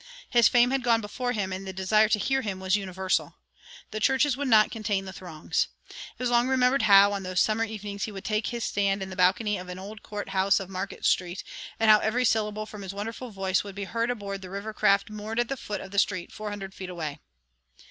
His fame had gone before him, and the desire to hear him was universal. The churches would not contain the throngs. It was long remembered how, on those summer evenings, he would take his stand in the balcony of the old court house in Market Street, and how every syllable from his wonderful voice would be heard aboard the river craft moored at the foot of the street, four hundred feet away.